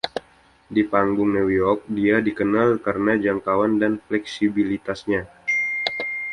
Di panggung New York, dia dikenal karena jangkauan dan fleksibilitasnya.